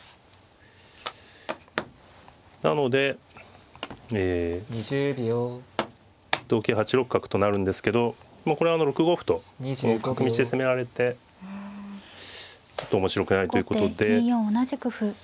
なのでえ同桂８六角となるんですけどこれは６五歩とこの角道で攻められてちょっと面白くないということで。